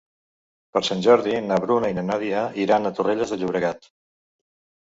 Per Sant Jordi na Bruna i na Nàdia iran a Torrelles de Llobregat.